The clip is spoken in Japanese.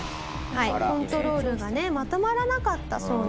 コントロールがねまとまらなかったそうなんです。